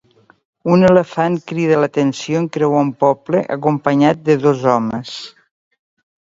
Un elefant crida l'atenció en creuar un poble acompanyat de dos homes.